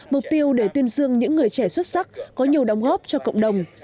mục tiêu để tuyên dương những người trẻ xuất sắc có nhiều đóng góp cho cộng đồng